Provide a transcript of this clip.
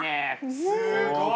すごい。